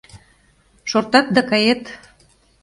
Шортат да кает!